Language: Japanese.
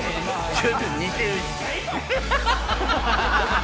ちょっと似てる。